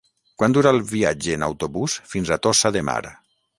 Quant dura el viatge en autobús fins a Tossa de Mar?